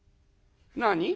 「何？」。